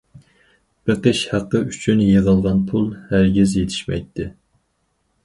بېقىش ھەققى ئۈچۈن يىغىلغان پۇل ھەرگىز يېتىشمەيتتى.